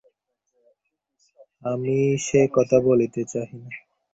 আমি সে কথা বলিতে চাহি না।